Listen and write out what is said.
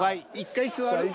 １回座る？